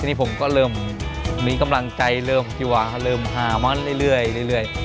ทีนี้ผมก็เริ่มมีกำลังใจเริ่มหามาเรื่อย